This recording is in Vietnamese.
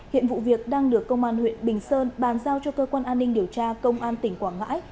hiện vụ việc đang được công an huyện bình sơn bàn giao cho cơ quan an ninh điều tra công an tỉnh quảng ngãi